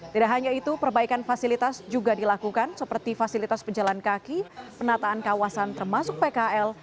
tidak hanya itu perbaikan fasilitas juga dilakukan seperti fasilitas pejalan kaki penataan kawasan termasuk pkl